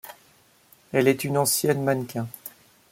Elle est une ancienne mannequin.